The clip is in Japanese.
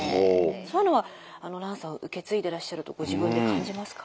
そういうのは蘭さん受け継いでらっしゃるとご自分で感じますか？